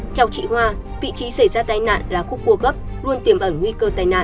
theo chị hoa vị trí xảy ra tai nạn là khúc cua gấp luôn tiềm ẩn nguy cơ tai nạn